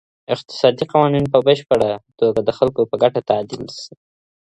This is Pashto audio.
اقتصادي قوانين به په بشپړه توګه د خلګو په ګټه تعديل سي.